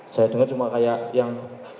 saya dengar cuma kayak yang